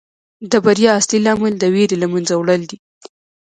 د بریا اصلي لامل د ویرې له منځه وړل دي.